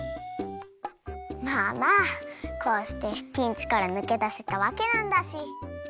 まあまあこうしてピンチからぬけだせたわけなんだし。